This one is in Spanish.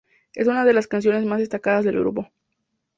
Es una de las canciones más destacadas del grupo.